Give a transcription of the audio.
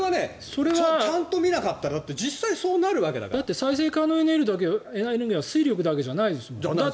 それはちゃんと見なかったらって実際そうなるわけだから。だって再生可能エネルギーは水力だけじゃないですもん。